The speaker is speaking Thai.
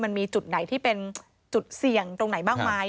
มันมีจุดไหนที่เป็นจุดเสี่ยงตรงไหนบ้างไหม